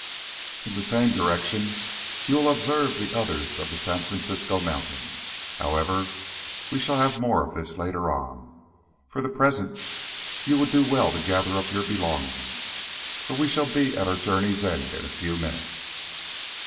"In the same direction you will observe the others of the San Francisco mountains. However, we shall have more of this later on. For the present you would do well to gather up Your belongings, for we shall be at our journey's end in a few minutes."